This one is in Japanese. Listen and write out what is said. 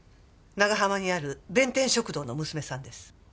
長浜にある弁天食堂の娘さんです。